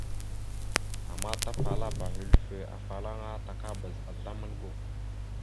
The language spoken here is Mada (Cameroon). Ama tapalaba hʉlfœ afalaŋa takabaz azzlam algo.